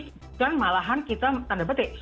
bukan malahan kita tanda petik